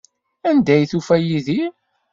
Anda ay tufa Yidir?